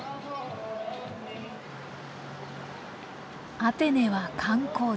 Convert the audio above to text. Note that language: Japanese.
アテネは観光地。